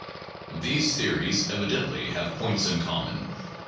These theories evidently have points in common.